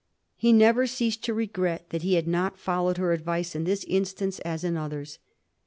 He never ceased to regret that he had not followed her advice in this instance as in others.